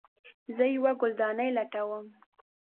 زه یوه ګلدانۍ لټوم